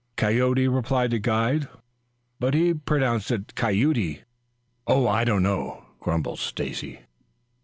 "Coyote," replied the guide, but he pronounced it "kiute." "Oh, I don't know," grumbled Stacy.